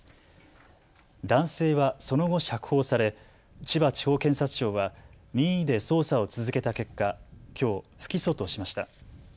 男性はその後、釈放され千葉地方検察庁は任意で捜査を続けた結果、きょう不起訴としました。